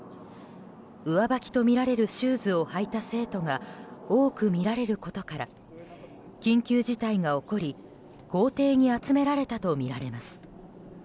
上履きとみられるシューズを履いた生徒が多く見られることから緊急事態が起こり校庭に集められたとみられます。